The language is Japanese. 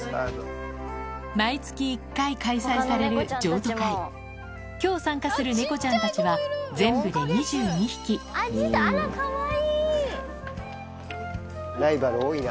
毎月１回開催される譲渡会今日参加する猫ちゃんたちは全部でライバル多いな。